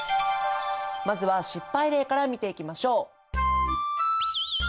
まずは失敗例から見ていきましょう。